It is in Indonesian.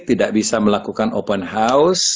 tidak bisa melakukan open house